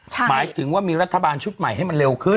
หมายถึงว่ามีรัฐบาลชุดใหม่ให้มันเร็วขึ้น